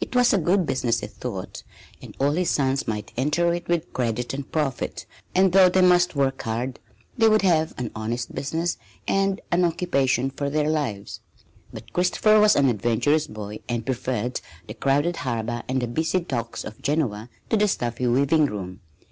It was a good business, he thought, and all his sons might enter it with credit and profit; and though they must work hard, they would have an honest business and an occupation for their lives. But Christopher was an adventurous boy and preferred the crowded harbor and the busy docks of Genoa to the stuffy weaving room.